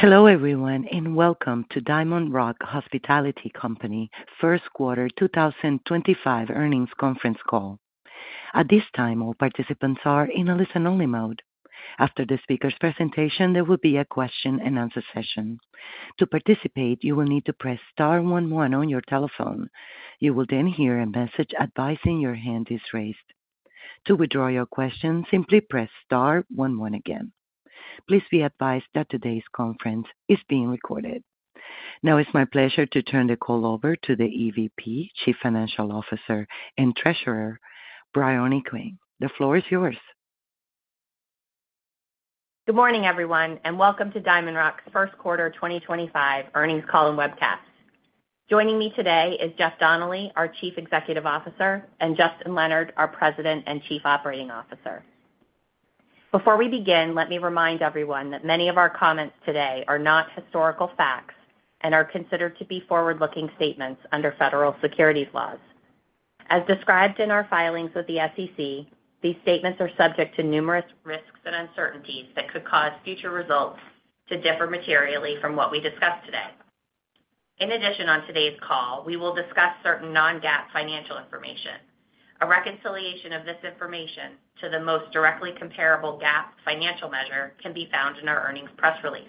Hello everyone, and welcome to DiamondRock Hospitality Company First Quarter 2025 Earnings Conference Call. At this time, all participants are in a listen-only mode. After the speaker's presentation, there will be a question-and-answer session. To participate, you will need to press star one one on your telephone. You will then hear a message advising your hand is raised. To withdraw your question, simply press star one one again. Please be advised that today's conference is being recorded. Now, it's my pleasure to turn the call over to the EVP, Chief Financial Officer and Treasurer, Briony Quinn. The floor is yours. Good morning, everyone, and welcome to DiamondRock's First Quarter 2025 Earnings Call and Webcast. Joining me today is Jeff Donnelly, our Chief Executive Officer, and Justin Leonard, our President and Chief Operating Officer. Before we begin, let me remind everyone that many of our comments today are not historical facts and are considered to be forward-looking statements under federal securities laws. As described in our filings with the SEC, these statements are subject to numerous risks and uncertainties that could cause future results to differ materially from what we discuss today. In addition, on today's call, we will discuss certain non-GAAP financial information. A reconciliation of this information to the most directly comparable GAAP financial measure can be found in our earnings press release.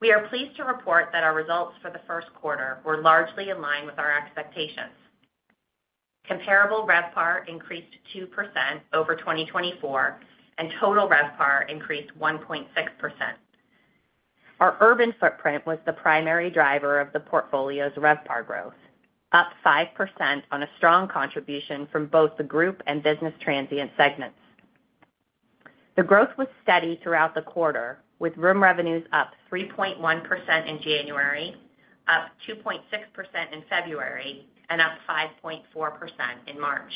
We are pleased to report that our results for the first quarter were largely in line with our expectations. Comparable RevPAR increased 2% over 2024, and total RevPAR increased 1.6%. Our urban footprint was the primary driver of the portfolio's RevPAR growth, up 5% on a strong contribution from both the group and business transient segments. The growth was steady throughout the quarter, with room revenues up 3.1% in January, up 2.6% in February, and up 5.4% in March.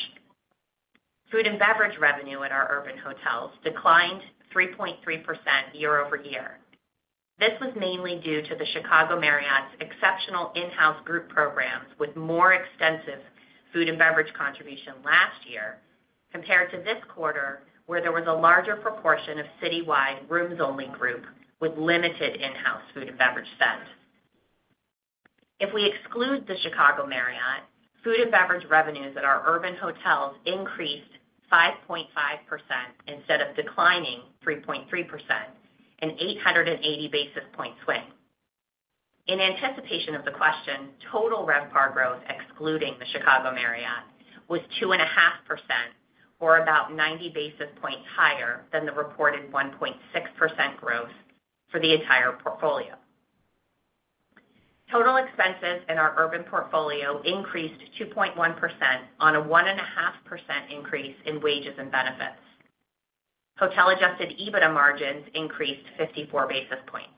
Food and beverage revenue at our urban hotels declined 3.3% year-over-year. This was mainly due to the Chicago Marriott's exceptional in-house group programs with more extensive food and beverage contribution last year compared to this quarter, where there was a larger proportion of citywide rooms-only group with limited in-house food and beverage spend. If we exclude the Chicago Marriott, food and beverage revenues at our urban hotels increased 5.5% instead of declining 3.3%, an 880 basis point swing. In anticipation of the question, total RevPAR growth excluding the Chicago Marriott was 2.5%, or about 90 basis points higher than the reported 1.6% growth for the entire portfolio. Total expenses in our urban portfolio increased 2.1% on a 1.5% increase in wages and benefits. Hotel-adjusted EBITDA margins increased 54 basis points.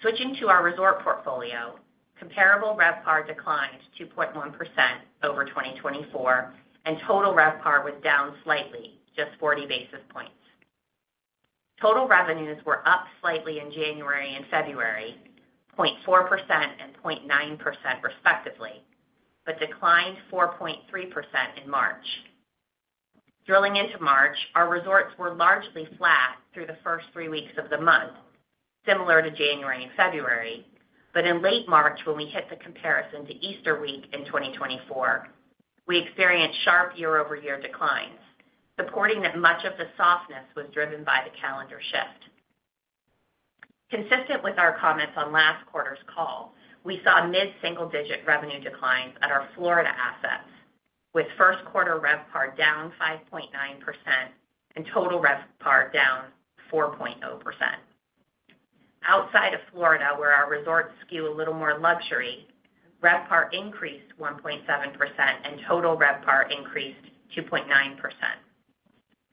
Switching to our resort portfolio, comparable RevPAR declined 2.1% over 2024, and total RevPAR was down slightly, just 40 basis points. Total revenues were up slightly in January and February, 0.4% and 0.9% respectively, but declined 4.3% in March. Drilling into March, our resorts were largely flat through the first three weeks of the month, similar to January and February, but in late March, when we hit the comparison to Easter week in 2024, we experienced sharp year-over-year declines, supporting that much of the softness was driven by the calendar shift. Consistent with our comments on last quarter's call, we saw mid-single-digit revenue declines at our Florida assets, with first quarter RevPAR down 5.9% and total RevPAR down 4.0%. Outside of Florida, where our resorts skew a little more luxury, RevPAR increased 1.7% and total RevPAR increased 2.9%.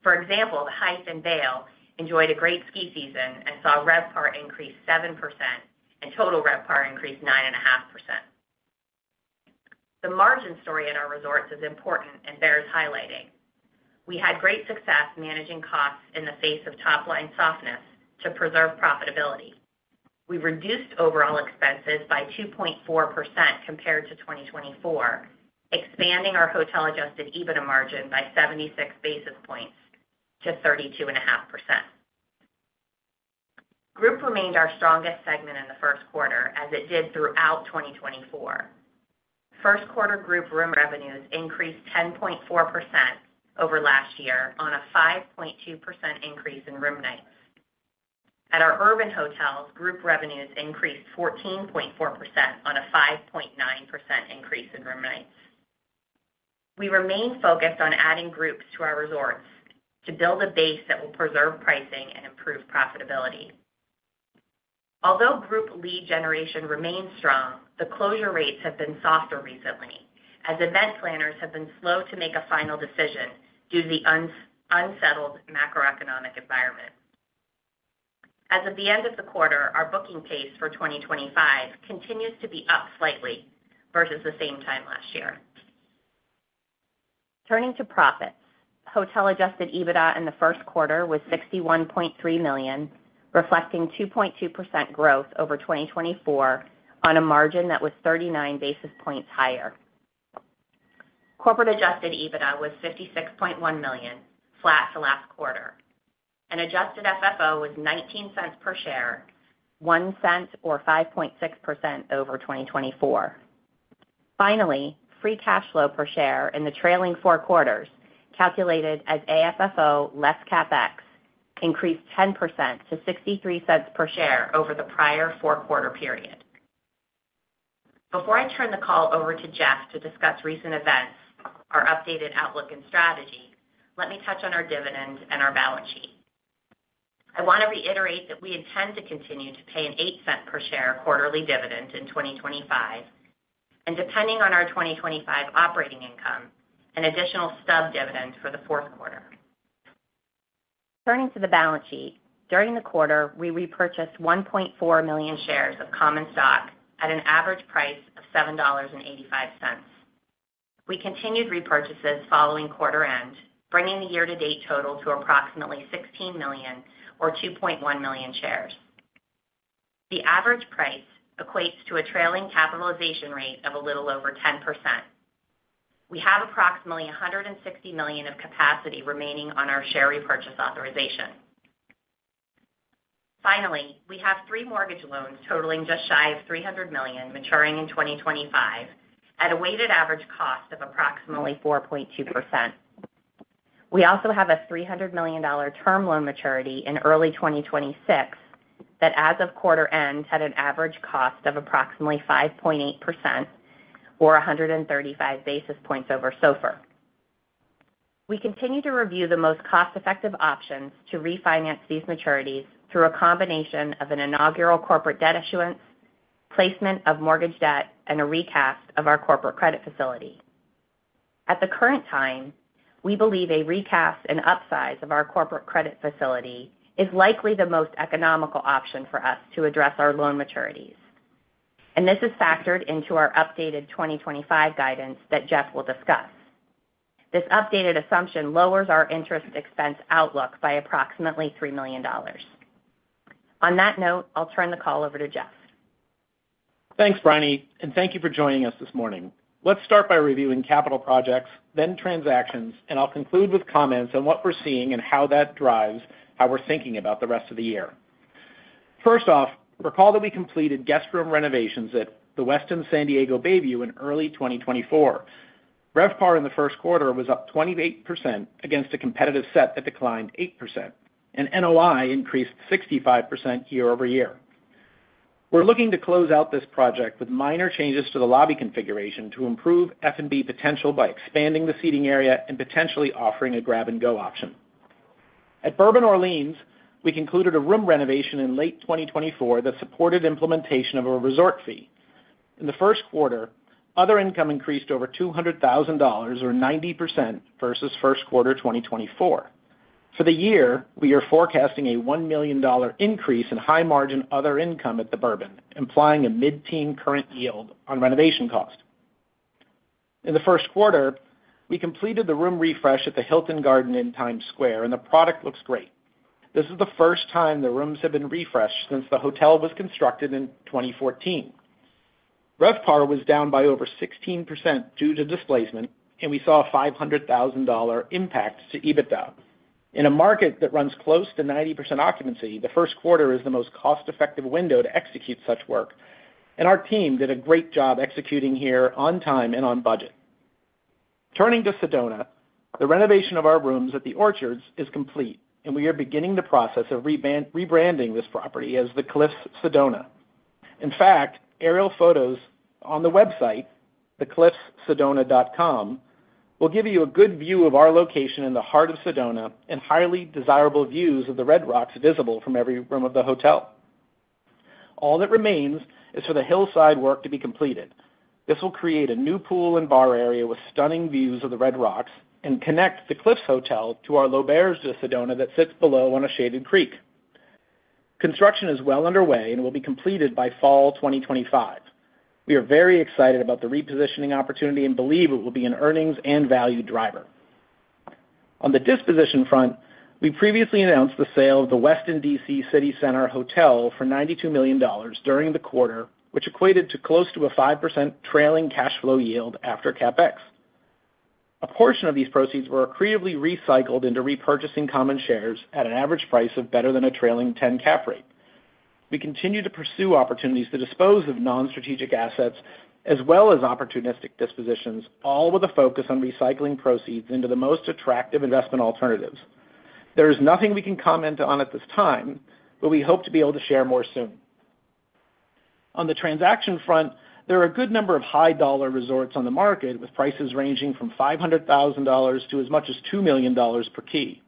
For example, Hythe Vail enjoyed a great ski season and saw RevPAR increase 7% and total RevPAR increase 9.5%. The margin story at our resorts is important and bears highlighting. We had great success managing costs in the face of top-line softness to preserve profitability. We reduced overall expenses by 2.4% compared to 2024, expanding our hotel-adjusted EBITDA margin by 76 basis points to 32.5%. Group remained our strongest segment in the first quarter, as it did throughout 2024. First quarter group room revenues increased 10.4% over last year on a 5.2% increase in room nights. At our urban hotels, group revenues increased 14.4% on a 5.9% increase in room nights. We remain focused on adding groups to our resorts to build a base that will preserve pricing and improve profitability. Although group lead generation remains strong, the closure rates have been softer recently, as event planners have been slow to make a final decision due to the unsettled macroeconomic environment. As of the end of the quarter, our booking pace for 2025 continues to be up slightly versus the same time last year. Turning to profits, hotel-adjusted EBITDA in the first quarter was $61.3 million, reflecting 2.2% growth over 2024 on a margin that was 39 basis points higher. Corporate-adjusted EBITDA was $56.1 million, flat to last quarter. An adjusted FFO was $0.19 per share, $0.01 or 5.6% over 2024. Finally, free cash flow per share in the trailing four quarters, calculated as AFFO less CapEx, increased 10% to $0.63 per share over the prior four-quarter period. Before I turn the call over to Jeff to discuss recent events, our updated outlook, and strategy, let me touch on our dividend and our balance sheet. I want to reiterate that we intend to continue to pay an $0.08 per share quarterly dividend in 2025, and depending on our 2025 operating income, an additional stub dividend for the fourth quarter. Turning to the balance sheet, during the quarter, we repurchased 1.4 million shares of common stock at an average price of $7.85. We continued repurchases following quarter end, bringing the year-to-date total to approximately $16 million, or 2.1 million shares. The average price equates to a trailing capitalization rate of a little over 10%. We have approximately $160 million of capacity remaining on our share repurchase authorization. Finally, we have three mortgage loans totaling just shy of $300 million maturing in 2025 at a weighted average cost of approximately 4.2%. We also have a $300 million term loan maturity in early 2026 that, as of quarter end, had an average cost of approximately 5.8%, or 135 basis points over SOFR. We continue to review the most cost-effective options to refinance these maturities through a combination of an inaugural corporate debt issuance, placement of mortgage debt, and a recast of our corporate credit facility. At the current time, we believe a recast and upsize of our corporate credit facility is likely the most economical option for us to address our loan maturities, and this is factored into our updated 2025 guidance that Jeff will discuss. This updated assumption lowers our interest expense outlook by approximately $3 million. On that note, I'll turn the call over to Jeff. Thanks, Briony, and thank you for joining us this morning. Let's start by reviewing capital projects, then transactions, and I'll conclude with comments on what we're seeing and how that drives how we're thinking about the rest of the year. First off, recall that we completed guest room renovations at the Westin San Diego Bayview in early 2024. RevPAR in the first quarter was up 28% against a competitive set that declined 8%, and NOI increased 65% year-over-year. We're looking to close out this project with minor changes to the lobby configuration to improve F&B potential by expanding the seating area and potentially offering a grab-and-go option. At Bourbon Orleans, we concluded a room renovation in late 2024 that supported implementation of a resort fee. In the first quarter, other income increased over $200,000, or 90% versus first quarter 2024. For the year, we are forecasting a $1 million increase in high-margin other income at the Bourbon, implying a mid-teen current yield on renovation cost. In the first quarter, we completed the room refresh at the Hilton Garden Inn Times Square, and the product looks great. This is the first time the rooms have been refreshed since the hotel was constructed in 2014. RevPAR was down by over 16% due to displacement, and we saw a $500,000 impact to EBITDA. In a market that runs close to 90% occupancy, the first quarter is the most cost-effective window to execute such work, and our team did a great job executing here on time and on budget. Turning to Sedona, the renovation of our rooms at the Orchards is complete, and we are beginning the process of rebranding this property as the Cliffs Sedona. In fact, aerial photos on the website, thecliffssedona.com, will give you a good view of our location in the heart of Sedona and highly desirable views of the red rocks visible from every room of the hotel. All that remains is for the hillside work to be completed. This will create a new pool and bar area with stunning views of the red rocks and connect the Cliffs Hotel to our L'Auberge de Sedona that sits below on a shaded creek. Construction is well underway and will be completed by fall 2025. We are very excited about the repositioning opportunity and believe it will be an earnings and value driver. On the disposition front, we previously announced the sale of the Westin Washington, D.C. City Center Hotel for $92 million during the quarter, which equated to close to a 5% trailing cash flow yield after CapEx. A portion of these proceeds were creatively recycled into repurchasing common shares at an average price of better than a trailing 10% cap rate. We continue to pursue opportunities to dispose of non-strategic assets as well as opportunistic dispositions, all with a focus on recycling proceeds into the most attractive investment alternatives. There is nothing we can comment on at this time, but we hope to be able to share more soon. On the transaction front, there are a good number of high-dollar resorts on the market with prices ranging from $500,000 to as much as $2 million per key,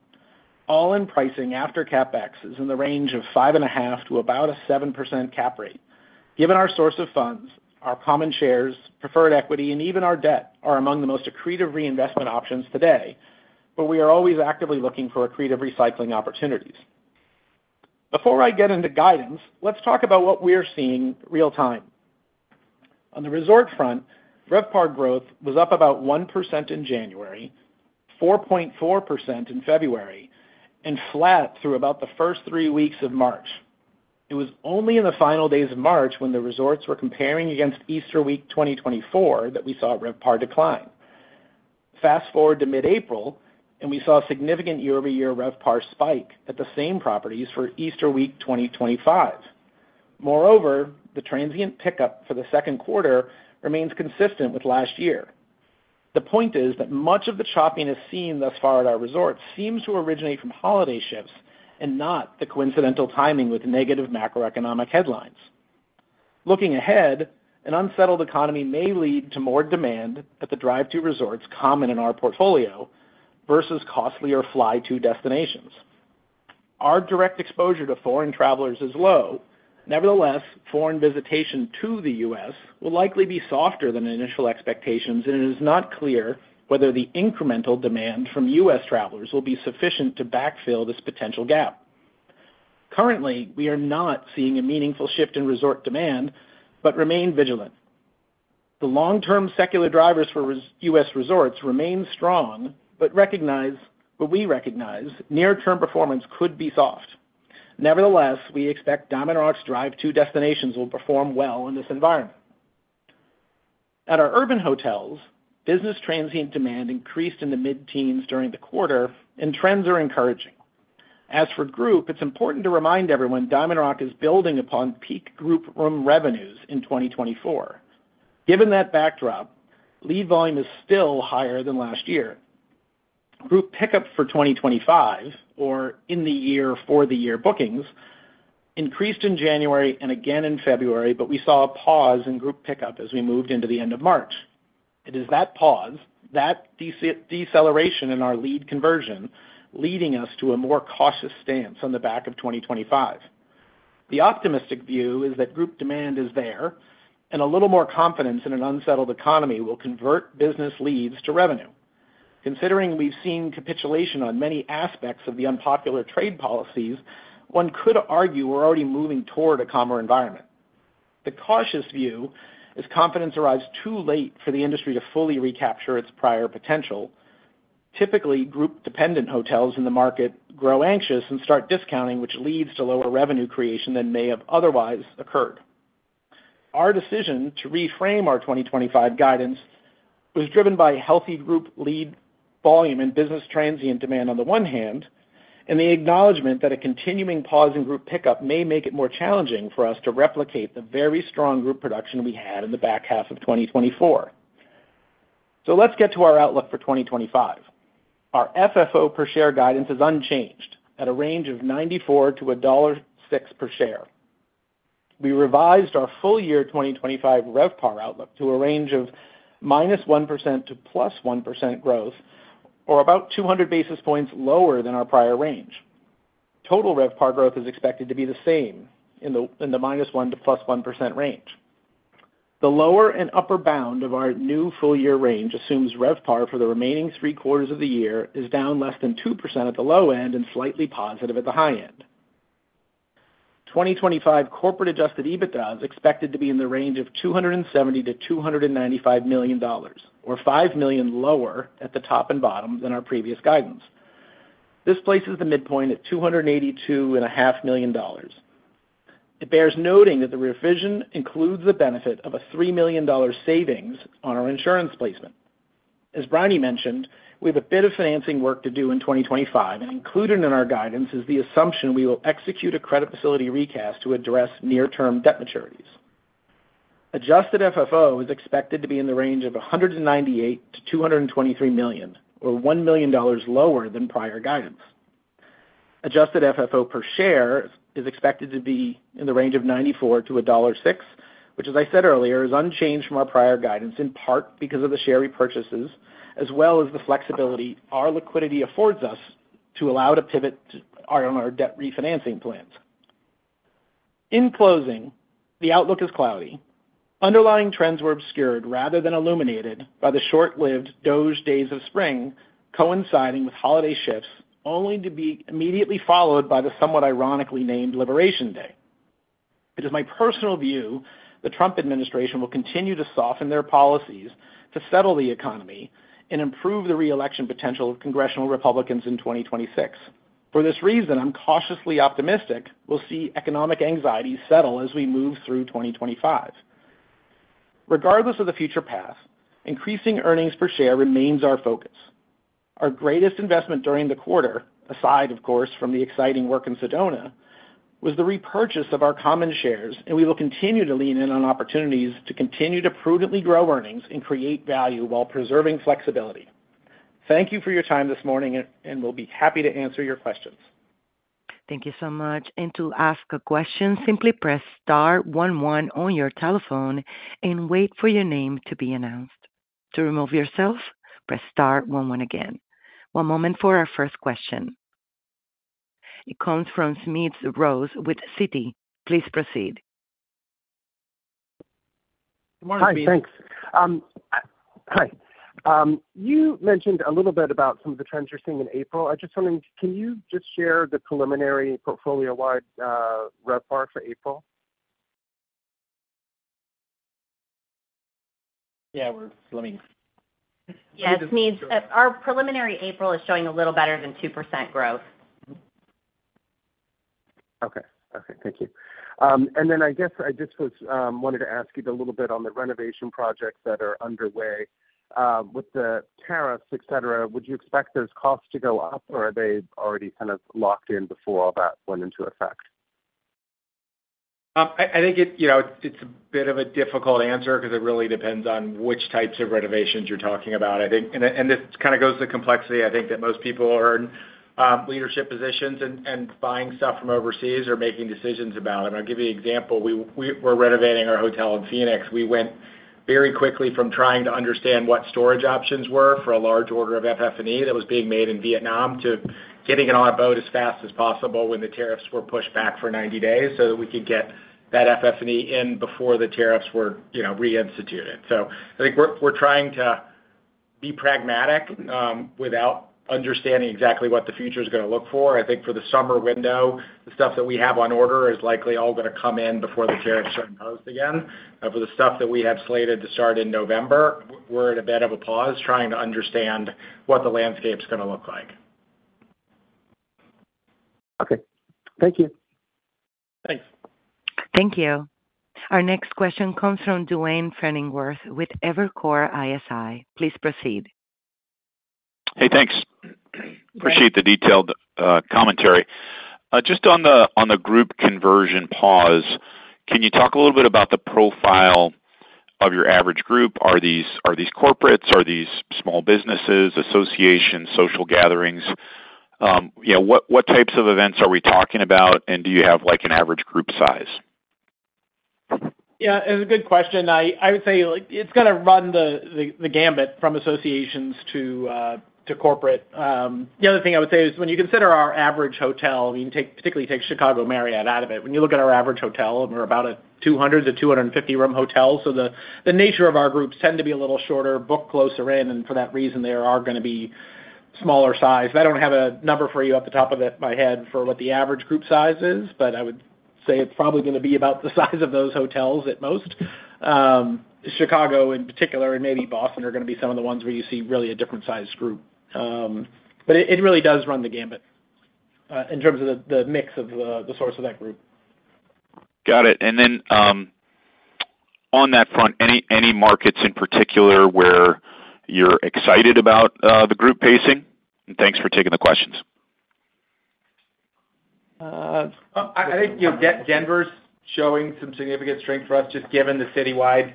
all in pricing after CapEx in the range of 5.5% to about a 7% cap rate. Given our source of funds, our common shares, preferred equity, and even our debt are among the most accretive reinvestment options today, but we are always actively looking for accretive recycling opportunities. Before I get into guidance, let's talk about what we're seeing real-time. On the resort front, RevPAR growth was up about 1% in January, 4.4% in February, and flat through about the first three weeks of March. It was only in the final days of March when the resorts were comparing against Easter Week 2024 that we saw RevPAR decline. Fast forward to mid-April, and we saw a significant year-over-year RevPAR spike at the same properties for Easter Week 2025. Moreover, the transient pickup for the second quarter remains consistent with last year. The point is that much of the choppiness seen thus far at our resorts seems to originate from holiday shifts and not the coincidental timing with negative macroeconomic headlines. Looking ahead, an unsettled economy may lead to more demand at the drive-through resorts common in our portfolio versus costlier fly-through destinations. Our direct exposure to foreign travelers is low. Nevertheless, foreign visitation to the U.S. will likely be softer than initial expectations, and it is not clear whether the incremental demand from U.S. travelers will be sufficient to backfill this potential gap. Currently, we are not seeing a meaningful shift in resort demand, but remain vigilant. The long-term secular drivers for U.S. resorts remain strong, but we recognize near-term performance could be soft. Nevertheless, we expect DiamondRock's drive-through destinations will perform well in this environment. At our urban hotels, business transient demand increased in the mid-teens during the quarter, and trends are encouraging. As for group, it's important to remind everyone DiamondRock is building upon peak group room revenues in 2024. Given that backdrop, lead volume is still higher than last year. Group pickup for 2025, or in-the-year for-the-year bookings, increased in January and again in February, but we saw a pause in group pickup as we moved into the end of March. It is that pause, that deceleration in our lead conversion, leading us to a more cautious stance on the back of 2025. The optimistic view is that group demand is there, and a little more confidence in an unsettled economy will convert business leads to revenue. Considering we've seen capitulation on many aspects of the unpopular trade policies, one could argue we're already moving toward a calmer environment. The cautious view is confidence arrives too late for the industry to fully recapture its prior potential. Typically, group-dependent hotels in the market grow anxious and start discounting, which leads to lower revenue creation than may have otherwise occurred. Our decision to reframe our 2025 guidance was driven by healthy group lead volume and business transient demand on the one hand, and the acknowledgment that a continuing pause in group pickup may make it more challenging for us to replicate the very strong group production we had in the back half of 2024. Let's get to our outlook for 2025. Our FFO per share guidance is unchanged at a range of $0.94-$1.06 per share. We revised our full year 2025 RevPAR outlook to a range of -1% to +1% growth, or about 200 basis points lower than our prior range. Total RevPAR growth is expected to be the same in the -1% to +1% range. The lower and upper bound of our new full year range assumes RevPAR for the remaining three quarters of the year is down less than 2% at the low end and slightly positive at the high end. 2025 corporate-adjusted EBITDA is expected to be in the range of $270-$295 million, or $5 million lower at the top and bottom than our previous guidance. This places the midpoint at $282.5 million. It bears noting that the revision includes the benefit of a $3 million savings on our insurance placement. As Briony mentioned, we have a bit of financing work to do in 2025, and included in our guidance is the assumption we will execute a credit facility recast to address near-term debt maturities. Adjusted FFO is expected to be in the range of $198 million-$223 million, or $1 million lower than prior guidance. Adjusted FFO per share is expected to be in the range of $0.94-$1.06, which, as I said earlier, is unchanged from our prior guidance in part because of the share repurchases, as well as the flexibility our liquidity affords us to allow to pivot on our debt refinancing plans. In closing, the outlook is cloudy. Underlying trends were obscured rather than illuminated by the short-lived DOGE Days of Spring, coinciding with holiday shifts, only to be immediately followed by the somewhat ironically named Liberation Day. It is my personal view the Trump administration will continue to soften their policies to settle the economy and improve the reelection potential of congressional Republicans in 2026. For this reason, I'm cautiously optimistic we'll see economic anxiety settle as we move through 2025. Regardless of the future path, increasing earnings per share remains our focus. Our greatest investment during the quarter, aside, of course, from the exciting work in Sedona, was the repurchase of our common shares, and we will continue to lean in on opportunities to continue to prudently grow earnings and create value while preserving flexibility. Thank you for your time this morning, and we will be happy to answer your questions. Thank you so much. To ask a question, simply press star one one on your telephone and wait for your name to be announced. To remove yourself, press star one one again. One moment for our first question. It comes from Smedes Rose with Citi. Please proceed. Good morning, Smedes. Hi, thanks. Hi. You mentioned a little bit about some of the trends you're seeing in April. I just wanted to ask, can you just share the preliminary portfolio-wide RevPAR for April? Yeah, we're flooming. Yeah, it's neat. Our preliminary April is showing a little better than 2% growth. Okay, okay. Thank you. I just was wanted to ask you a little bit on the renovation projects that are underway. With the tariffs, etc., would you expect those costs to go up, or are they already kind of locked in before all that went into effect? I think it's a bit of a difficult answer because it really depends on which types of renovations you're talking about, I think. This kind of goes to the complexity, I think, that most people are in leadership positions and buying stuff from overseas or making decisions about. I'll give you an example. We were renovating our hotel in Phoenix. We went very quickly from trying to understand what storage options were for a large order of FF&E that was being made in Vietnam to getting it on a boat as fast as possible when the tariffs were pushed back for 90 days so that we could get that FF&E in before the tariffs were reinstituted. I think we're trying to be pragmatic without understanding exactly what the future is going to look for. I think for the summer window, the stuff that we have on order is likely all going to come in before the tariffs are imposed again. For the stuff that we have slated to start in November, we're in a bit of a pause trying to understand what the landscape is going to look like. Okay. Thank you. Thanks. Thank you. Our next question comes from Duane Pfennigwerth with Evercore ISI. Please proceed. Hey, thanks. Appreciate the detailed commentary. Just on the group conversion pause, can you talk a little bit about the profile of your average group? Are these corporates? Are these small businesses, associations, social gatherings? What types of events are we talking about, and do you have an average group size? Yeah, it's a good question. I would say it's going to run the gambit from associations to corporate. The other thing I would say is when you consider our average hotel, we can particularly take Chicago Marriott out of it. When you look at our average hotel, we're about a 200-250 room hotel. So the nature of our groups tend to be a little shorter, book closer in, and for that reason, they are going to be smaller sized. I don't have a number for you off the top of my head for what the average group size is, but I would say it's probably going to be about the size of those hotels at most. Chicago, in particular, and maybe Boston are going to be some of the ones where you see really a different size group. It really does run the gambit in terms of the mix of the source of that group. Got it. On that front, any markets in particular where you're excited about the group pacing? Thanks for taking the questions. I think Denver's showing some significant strength for us just given the citywide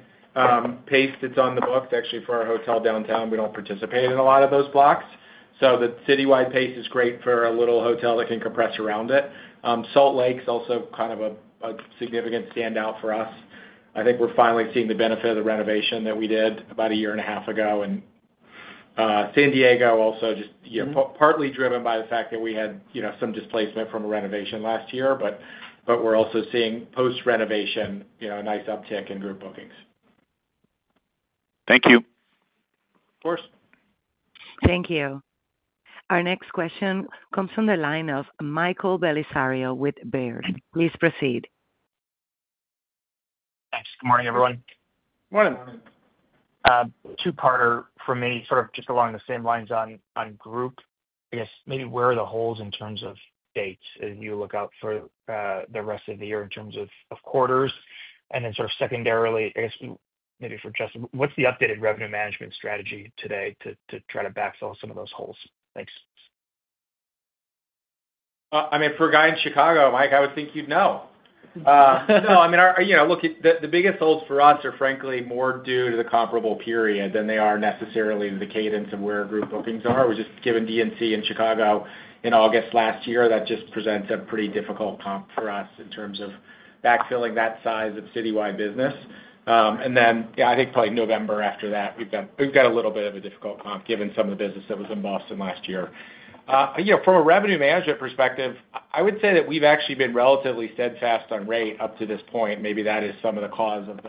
pace that's on the books. Actually, for our hotel downtown, we don't participate in a lot of those blocks. The citywide pace is great for a little hotel that can compress around it. Salt Lake's also kind of a significant standout for us. I think we're finally seeing the benefit of the renovation that we did about a year and a half ago. San Diego also just partly driven by the fact that we had some displacement from a renovation last year, but we're also seeing post-renovation a nice uptick in group bookings. Thank you. Of course. Thank you. Our next question comes from the line of Michael Bellisario with Baird. Please proceed. Thanks. Good morning, everyone. Good morning. Two-parter for me, sort of just along the same lines on group. I guess maybe where are the holes in terms of dates as you look out for the rest of the year in terms of quarters? And then sort of secondarily, I guess maybe for Justin, what's the updated revenue management strategy today to try to backfill some of those holes? Thanks. I mean, for a guy in Chicago, Mike, I would think you'd know. No, I mean, look, the biggest holes for us are, frankly, more due to the comparable period than they are necessarily to the cadence of where group bookings are. We just given DNC in Chicago in August last year. That just presents a pretty difficult comp for us in terms of backfilling that size of citywide business. Yeah, I think probably November after that, we've got a little bit of a difficult comp given some of the business that was in Boston last year. From a revenue management perspective, I would say that we've actually been relatively steadfast on rate up to this point. Maybe that is some of the cause of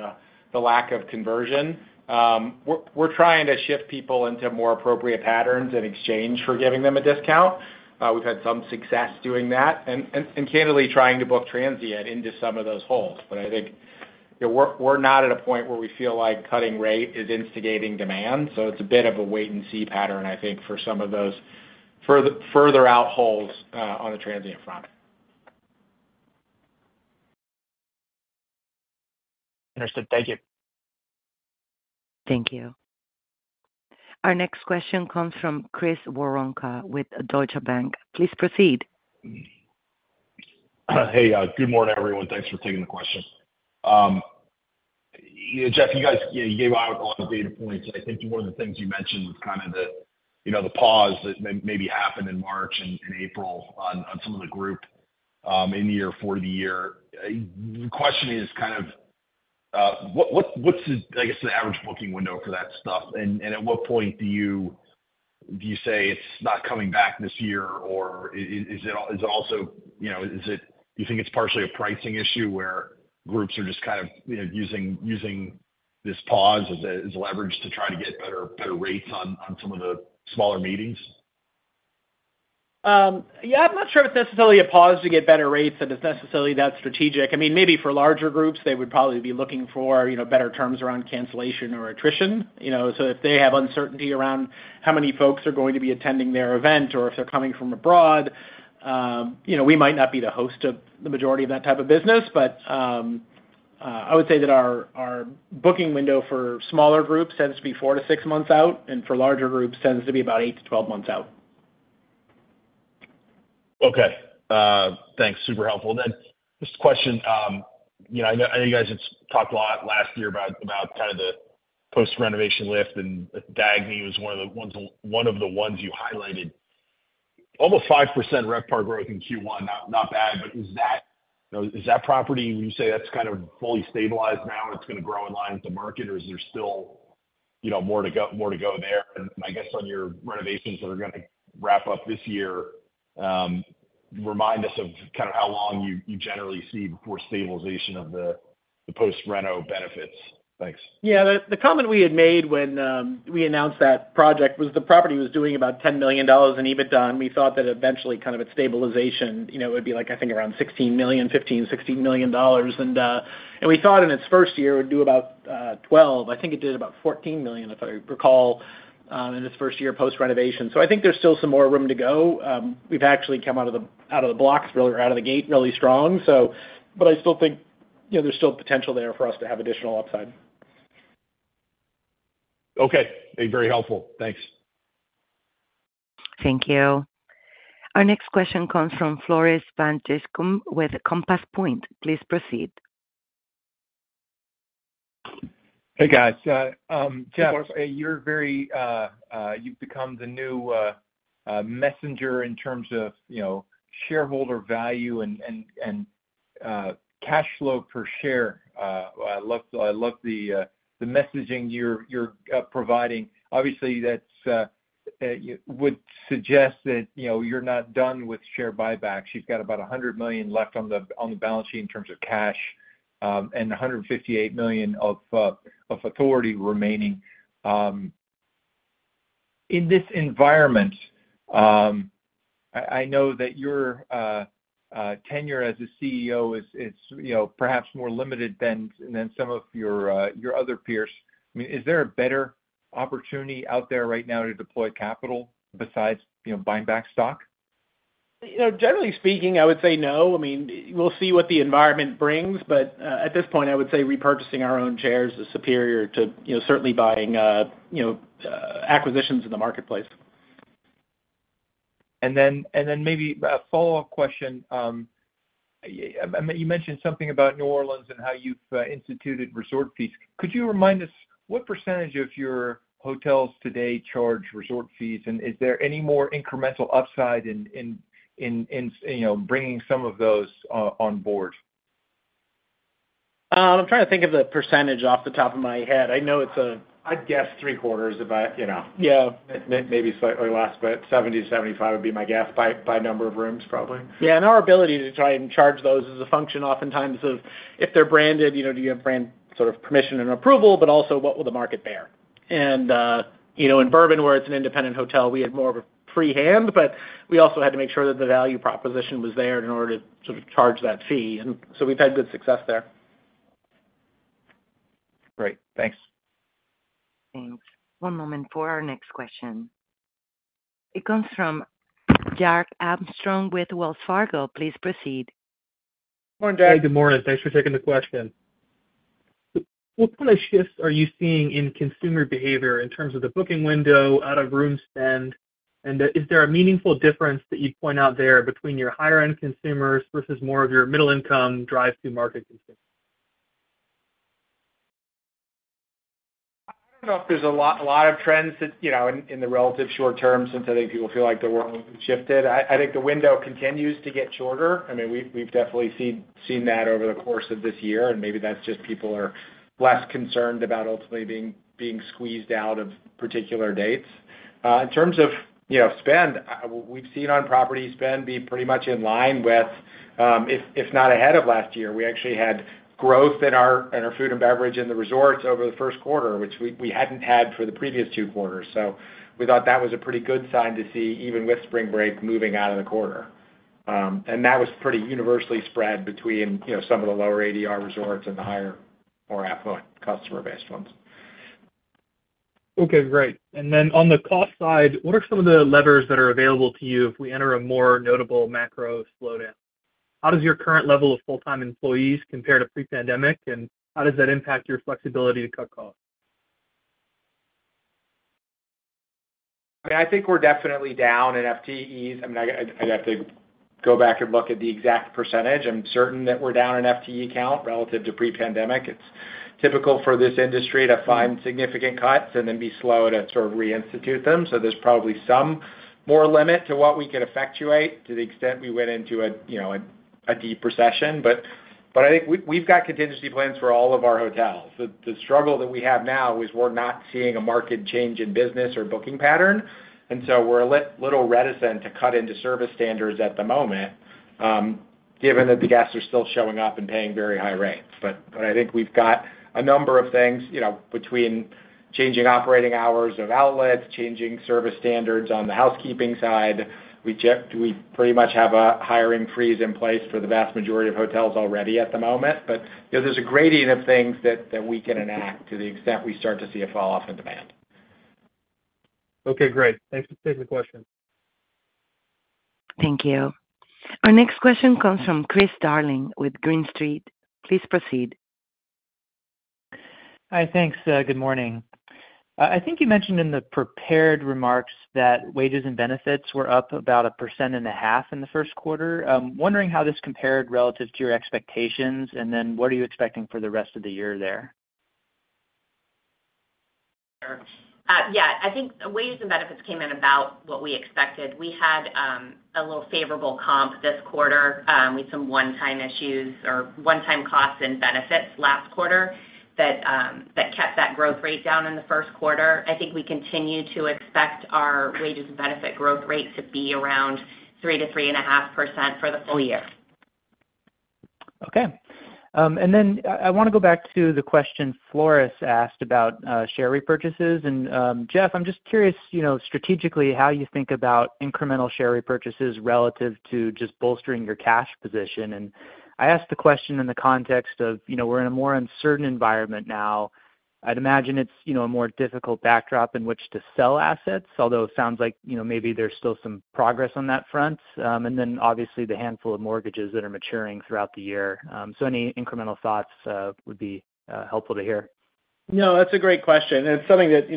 the lack of conversion. We're trying to shift people into more appropriate patterns and exchange for giving them a discount. We've had some success doing that and candidly trying to book transient into some of those holes. I think we're not at a point where we feel like cutting rate is instigating demand. It is a bit of a wait-and-see pattern, I think, for some of those further out holes on the transient front. Understood. Thank you. Thank you. Our next question comes from Chris Woronka with Deutsche Bank. Please proceed. Hey, good morning, everyone. Thanks for taking the question. Jeff, you guys gave out a lot of data points. I think one of the things you mentioned was kind of the pause that maybe happened in March and April on some of the group in year for the year. The question is kind of what's, I guess, the average booking window for that stuff? At what point do you say it's not coming back this year? Or is it also, do you think it's partially a pricing issue where groups are just kind of using this pause as a leverage to try to get better rates on some of the smaller meetings? Yeah, I'm not sure it's necessarily a pause to get better rates that is necessarily that strategic. I mean, maybe for larger groups, they would probably be looking for better terms around cancellation or attrition. So if they have uncertainty around how many folks are going to be attending their event or if they're coming from abroad, we might not be to host the majority of that type of business. I would say that our booking window for smaller groups tends to be four to six months out, and for larger groups, tends to be about eight to twelve months out. Okay. Thanks. Super helpful. Just a question. I know you guys talked a lot last year about kind of the post-renovation lift, and Dagny was one of the ones you highlighted. Almost 5% RevPAR growth in Q1, not bad. Is that property, would you say that's kind of fully stabilized now, and it's going to grow in line with the market, or is there still more to go there? I guess on your renovations that are going to wrap up this year, remind us of kind of how long you generally see before stabilization of the post-reno benefits. Thanks. Yeah. The comment we had made when we announced that project was the property was doing about $10 million in EBITDA, and we thought that eventually kind of its stabilization would be like, I think, around $15 million $16 million. And we thought in its first year it would do about $12 million. I think it did about $14 million, if I recall, in its first year post-renovation. I think there's still some more room to go. We've actually come out of the blocks really or out of the gate really strong. I still think there's still potential there for us to have additional upside. Okay. Very helpful. Thanks. Thank you. Our next question comes from Floris van Dijkum with Compass Point. Please proceed. Hey, guys. Jeff, you've become the new messenger in terms of shareholder value and cash flow per share. I love the messaging you're providing. Obviously, that would suggest that you're not done with share buybacks. You've got about $100 million left on the balance sheet in terms of cash and $158 million of authority remaining. In this environment, I know that your tenure as a CEO is perhaps more limited than some of your other peers. I mean, is there a better opportunity out there right now to deploy capital besides buying back stock? Generally speaking, I would say no. I mean, we'll see what the environment brings. At this point, I would say repurchasing our own shares is superior to certainly buying acquisitions in the marketplace. Maybe a follow-up question. You mentioned something about New Orleans and how you've instituted resort fees. Could you remind us what percentage of your hotels today charge resort fees, and is there any more incremental upside in bringing some of those on board? I'm trying to think of the percentage off the top of my head. I know it's a. I'd guess three-quarters if I maybe slightly less, but 70%-75% would be my guess by number of rooms, probably. Yeah. Our ability to try and charge those is a function oftentimes of if they're branded, do you have brand sort of permission and approval, but also what will the market bear? In Bourbon, where it's an independent hotel, we had more of a free hand, but we also had to make sure that the value proposition was there in order to sort of charge that fee. We've had good success there. Great. Thanks. Thanks. One moment for our next question. It comes from Jack Armstrong with Wells Fargo. Please proceed. Good morning, Jack. Hey, good morning. Thanks for taking the question. What kind of shifts are you seeing in consumer behavior in terms of the booking window, out-of-room spend? Is there a meaningful difference that you'd point out there between your higher-end consumers versus more of your middle-income drive-through market consumers? I don't know if there's a lot of trends in the relative short term since I think people feel like the world has shifted. I think the window continues to get shorter. I mean, we've definitely seen that over the course of this year, and maybe that's just people are less concerned about ultimately being squeezed out of particular dates. In terms of spend, we've seen on property spend be pretty much in line with, if not ahead of last year, we actually had growth in our food and beverage in the resorts over the first quarter, which we hadn't had for the previous two quarters. We thought that was a pretty good sign to see even with spring break moving out of the quarter. That was pretty universally spread between some of the lower ADR resorts and the higher or affluent customer-based ones. Okay. Great. On the cost side, what are some of the levers that are available to you if we enter a more notable macro slowdown? How does your current level of full-time employees compare to pre-pandemic, and how does that impact your flexibility to cut costs? I think we're definitely down in FTEs. I mean, I'd have to go back and look at the exact percentage. I'm certain that we're down in FTE count relative to pre-pandemic. It's typical for this industry to find significant cuts and then be slow to sort of reinstitute them. There is probably some more limit to what we could effectuate to the extent we went into a deep recession. I think we've got contingency plans for all of our hotels. The struggle that we have now is we're not seeing a market change in business or booking pattern. We are a little reticent to cut into service standards at the moment given that the guests are still showing up and paying very high rates. I think we've got a number of things between changing operating hours of outlets, changing service standards on the housekeeping side. We pretty much have a hiring freeze in place for the vast majority of hotels already at the moment. There is a gradient of things that we can enact to the extent we start to see a falloff in demand. Okay. Great. Thanks for taking the question. Thank you. Our next question comes from Chris Darling with Green Street. Please proceed. Hi. Thanks. Good morning. I think you mentioned in the prepared remarks that wages and benefits were up about 1.5% in the first quarter. I'm wondering how this compared relative to your expectations, and then what are you expecting for the rest of the year there? Sure. Yeah. I think wages and benefits came in about what we expected. We had a little favorable comp this quarter with some one-time issues or one-time costs and benefits last quarter that kept that growth rate down in the first quarter. I think we continue to expect our wages and benefit growth rate to be around 3%-3.5% for the full year. Okay. I want to go back to the question Floris asked about share repurchases. Jeff, I'm just curious strategically how you think about incremental share repurchases relative to just bolstering your cash position. I ask the question in the context of we're in a more uncertain environment now. I'd imagine it's a more difficult backdrop in which to sell assets, although it sounds like maybe there's still some progress on that front. Obviously the handful of mortgages that are maturing throughout the year. Any incremental thoughts would be helpful to hear. No, that's a great question. It's something that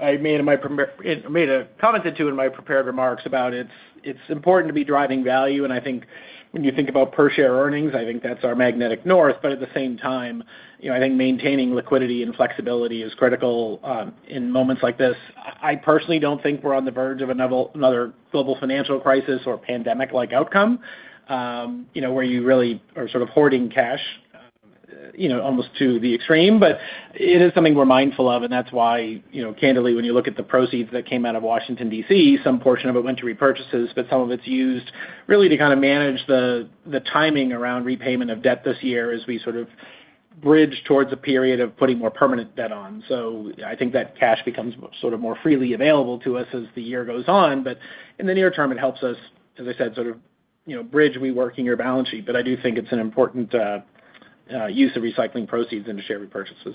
I made a comment to in my prepared remarks about. It's important to be driving value. I think when you think about per-share earnings, I think that's our magnetic north. At the same time, I think maintaining liquidity and flexibility is critical in moments like this. I personally don't think we're on the verge of another global financial crisis or pandemic-like outcome where you really are sort of hoarding cash almost to the extreme. It is something we're mindful of. That's why, candidly, when you look at the proceeds that came out of Washington, D.C., some portion of it went to repurchases, but some of it's used really to kind of manage the timing around repayment of debt this year as we sort of bridge towards a period of putting more permanent debt on. I think that cash becomes sort of more freely available to us as the year goes on. In the near term, it helps us, as I said, sort of bridge reworking your balance sheet. I do think it's an important use of recycling proceeds into share repurchases.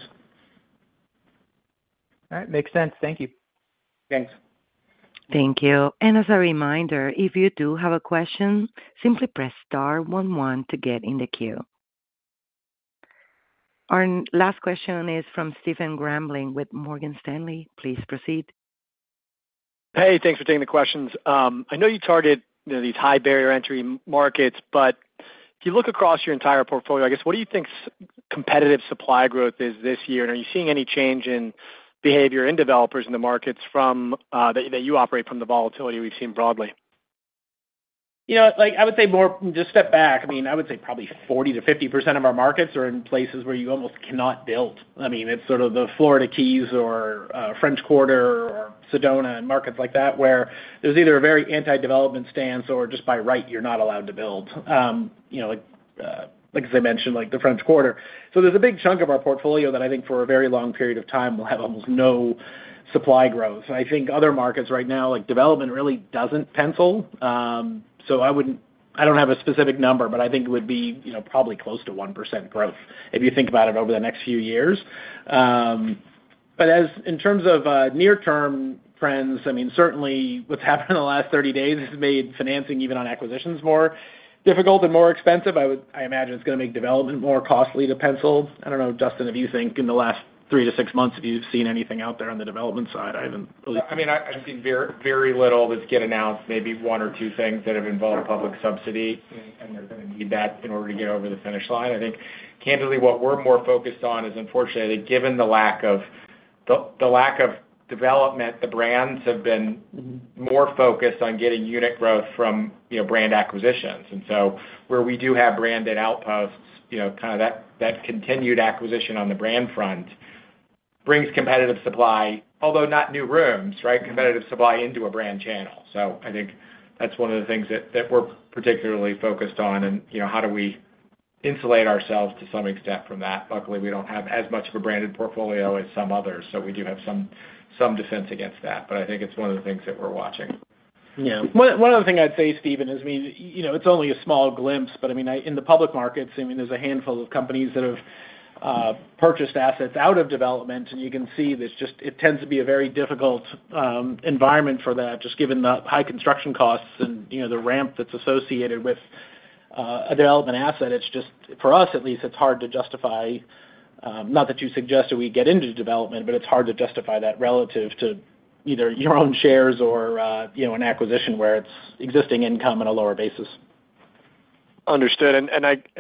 All right. Makes sense. Thank you. Thanks. Thank you. As a reminder, if you do have a question, simply press star one one to get in the queue. Our last question is from Stephen Grambling with Morgan Stanley. Please proceed. Hey, thanks for taking the questions. I know you target these high barrier entry markets, but if you look across your entire portfolio, I guess, what do you think competitive supply growth is this year? Are you seeing any change in behavior in developers in the markets that you operate from the volatility we've seen broadly? I would say more just step back. I mean, I would say probably 40%-50% of our markets are in places where you almost cannot build. I mean, it's sort of the Florida Keys or French Quarter or Sedona and markets like that where there's either a very anti-development stance or just by right, you're not allowed to build, like as I mentioned, like the French Quarter. So there's a big chunk of our portfolio that I think for a very long period of time will have almost no supply growth. I think other markets right now, like development, really doesn't pencil. I don't have a specific number, but I think it would be probably close to 1% growth if you think about it over the next few years. In terms of near-term trends, I mean, certainly what's happened in the last 30 days has made financing, even on acquisitions, more difficult and more expensive. I imagine it's going to make development more costly to pencil. I don't know, Justin, if you think in the last three to six months if you've seen anything out there on the development side. I haven't really. I mean, I've seen very little that's been announced, maybe one or two things that have involved public subsidy, and they're going to need that in order to get over the finish line. I think, candidly, what we're more focused on is, unfortunately, given the lack of development, the brands have been more focused on getting unit growth from brand acquisitions. Where we do have branded outposts, that continued acquisition on the brand front brings competitive supply, although not new rooms, right, competitive supply into a brand channel. I think that's one of the things that we're particularly focused on and how do we insulate ourselves to some extent from that. Luckily, we don't have as much of a branded portfolio as some others, so we do have some defense against that. I think it's one of the things that we're watching. Yeah. One other thing I'd say, Stephen, is, I mean, it's only a small glimpse, but I mean, in the public markets, there's a handful of companies that have purchased assets out of development, and you can see that it tends to be a very difficult environment for that just given the high construction costs and the ramp that's associated with a development asset. For us, at least, it's hard to justify, not that you suggest that we get into development, but it's hard to justify that relative to either your own shares or an acquisition where it's existing income at a lower basis. Understood.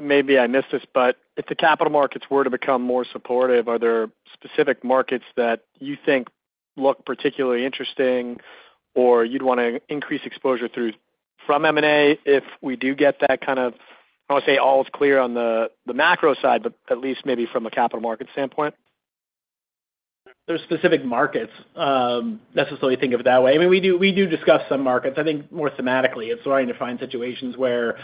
Maybe I missed this, but if the capital markets were to become more supportive, are there specific markets that you think look particularly interesting or you'd want to increase exposure through from M&A if we do get that kind of, I don't want to say all is clear on the macro side, but at least maybe from a capital market standpoint? There are specific markets necessarily think of it that way. I mean, we do discuss some markets. I think more thematically, it's starting to find situations where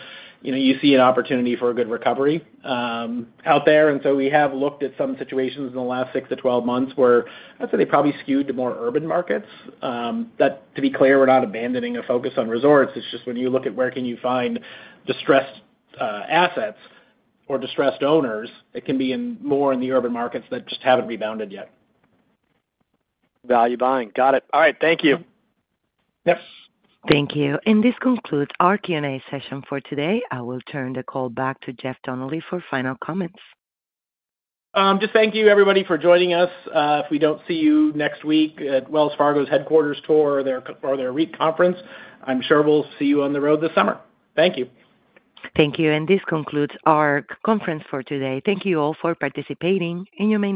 you see an opportunity for a good recovery out there. I mean, we have looked at some situations in the last 6-12 months where I'd say they probably skewed to more urban markets. To be clear, we're not abandoning a focus on resorts. It's just when you look at where can you find distressed assets or distressed owners, it can be more in the urban markets that just haven't rebounded yet. Value buying. Got it. All right. Thank you. Yes. Thank you. This concludes our Q&A session for today. I will turn the call back to Jeff Donnelly for final comments. Just thank you, everybody, for joining us. If we do not see you next week at Wells Fargo's headquarters tour or their REIT conference, I am sure we will see you on the road this summer. Thank you. Thank you. This concludes our conference for today. Thank you all for participating in your many.